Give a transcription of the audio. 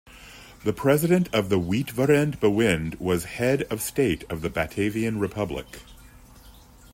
The president of the Uitvoerend Bewind was head of state of the Batavian Republic.